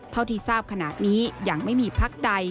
เท่าที่ทราบขณะนี้ยังไม่มีพักใด